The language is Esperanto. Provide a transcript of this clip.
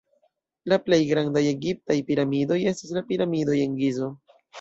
La plej grandaj egiptaj piramidoj estas la piramidoj en Gizo.